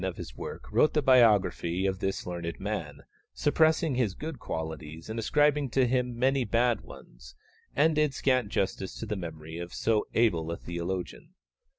of his work wrote the biography of this learned man, suppressing his good qualities and ascribing to him many bad ones, and did scant justice to the memory of so able a theologian.